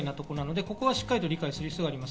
ここはしっかり理解する必要があります。